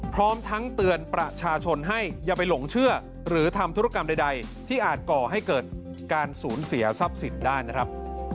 พร้อมทั้งเตือนประชาชนให้อย่าไปหลงเชื่อหรือทำธุรกรรมใดที่อาจก่อให้เกิดการสูญเสียทรัพย์สินได้นะครับ